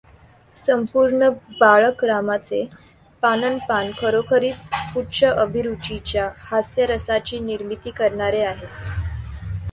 संपूर्ण बाळकरामचे पानन् पान खरोखरीच उच्च अभिरुचीच्या हास्यरसाची निर्मिती करणारे आहे.